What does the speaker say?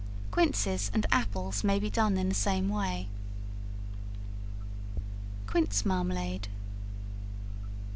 Quinces and apples may be done in the same way. Quince Marmalade.